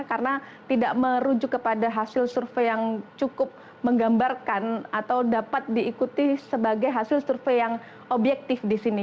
karena tidak merujuk kepada hasil survei yang cukup menggambarkan atau dapat diikuti sebagai hasil survei yang objektif di sini